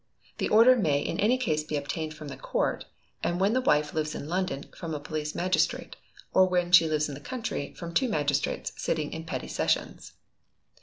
The order may in any case be obtained from the court, and when the wife lives in London, from a police magistrate; or where she lives in the country, from two magistrates sitting in petty sessions.